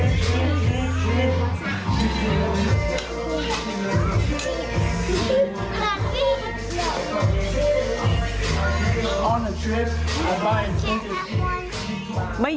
นี่ก็อีกเพลงครับแม่เนอะ